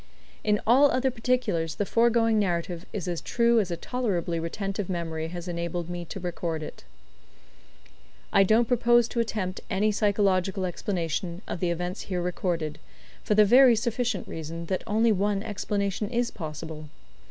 In all other particulars the foregoing narrative is as true as a tolerably retentive memory has enabled me to record it. I don't propose to attempt any psychological explanation of the events here recorded, for the very sufficient reason that only one explanation is possible.